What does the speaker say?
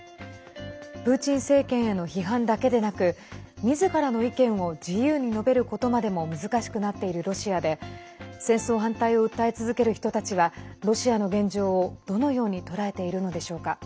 プーチン政権への批判だけでなくみずからの意見を自由に述べることまでも難しくなっているロシアで戦争反対を訴え続ける人たちはロシアの現状をどのように捉えているのでしょうか。